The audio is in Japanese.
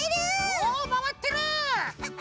おまわってる！